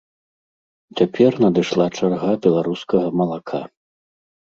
Цяпер надышла чарга беларускага малака.